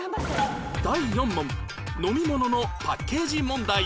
第４問飲み物のパッケージ問題